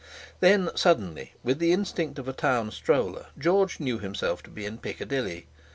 Then suddenly, with the instinct of a town stroller, George knew himself to be in Piccadilly.